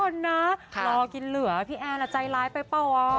ป้อนนะรอกินเหลือพี่แอนอ่ะใจร้ายไปเปล่าวะ